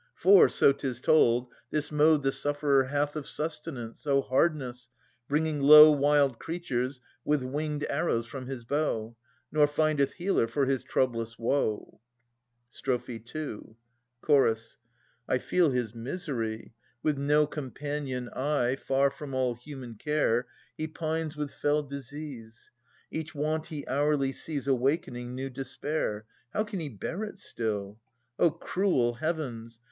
For, so 'tis told, this mode the sufferer hath Of sustenance, oh hardness ! bringing low Wild creatures with win^d arrows from his bow ; Nor findeth healer for his troublous woe. Strophe II. Ch. I feel his misery. With no companion eye. Far from all human care. He pines with fell disease ; Each want he hourly sees Awakening new despair. How can he bear it still? O cruel Heavens!